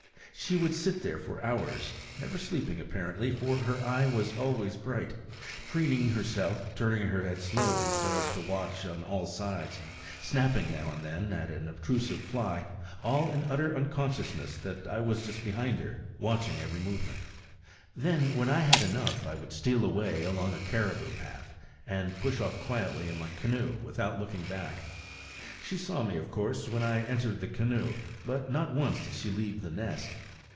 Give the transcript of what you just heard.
She would sit there for hours never sleeping apparently, for her eye was always bright preening herself, turning her head slowly, so as to watch on all sides, snapping now and then at an obtrusive fly, all in utter unconsciousness that I was just behind her, watching every movement. Then, when I had enough, I would steal away along a caribou path, and push off quietly in my canoe without looking back. She saw me, of course, when I entered the canoe, but not once did she leave the nest.